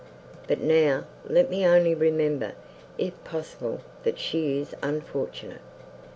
But now, let me only remember, if possible, that she is unfortunate."